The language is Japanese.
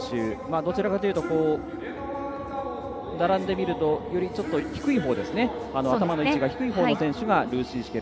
どちらかというと並んでみると、よりちょっと頭の位置が低いほうの選手がルーシー・シュケル。